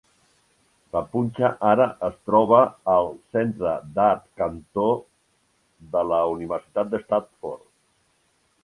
La punxa ara es troba al Centre d'Arts Cantor de la Universitat de Stanford.